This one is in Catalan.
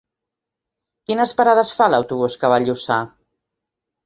Quines parades fa l'autobús que va a Lluçà?